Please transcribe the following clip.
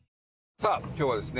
さあ今日はですね